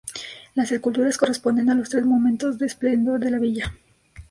Las esculturas corresponden a los tres momentos de esplendor de la villa.